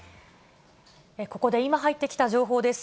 ここで今入ってきた情報です。